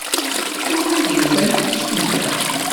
Anwa i d-yufan tikti-a?